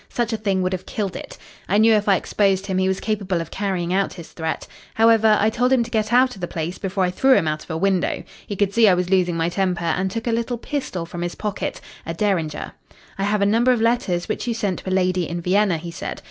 Such a thing would have killed it. I knew if I exposed him he was capable of carrying out his threat. However, I told him to get out of the place before I threw him out of the window. He could see I was losing my temper and took a little pistol from his pocket a Derringer. "'I have a number of letters which you sent to a lady in Vienna,' he said.